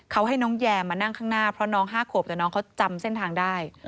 เขาให้น้องแยมมานั่งข้างหน้าเพราะน้อง๕ขวบแต่น้องเขาจำเส้นทางได้